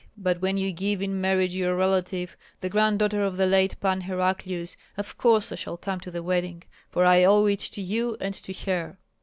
But when you give in marriage your relative, the granddaughter of the late Pan Heraclius, of course I shall come to the wedding, for I owe it to you and to her."